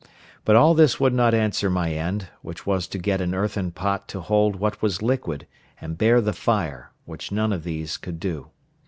But all this would not answer my end, which was to get an earthen pot to hold what was liquid, and bear the fire, which none of these could do.